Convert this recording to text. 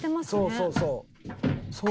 そうそうそう。